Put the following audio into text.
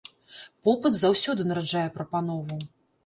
Попыт заўсёды нараджае прапанову.